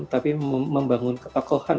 tapi membangun ketekohan